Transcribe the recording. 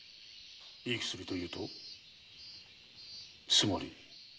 いい薬というとつまり。